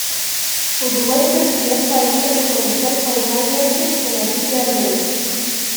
Uruguay fue el primer país en reconocer formalmente el Genocidio Armenio.